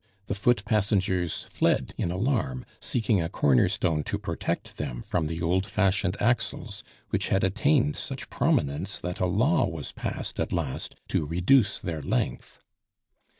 The foot passengers fled in alarm, seeking a corner stone to protect them from the old fashioned axles, which had attained such prominence that a law was passed at last to reduce their length.